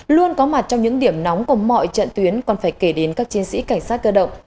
luôn có mặt trong những điểm nóng của mọi trận tuyến còn phải kể đến các chiến sĩ cảnh sát cơ động